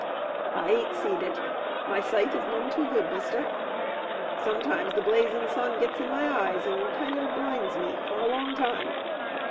"I ain't seed it. My sight's none too good, mister. Sometimes the blazin' sun gits in my eyes and kinder blinds me for a long time.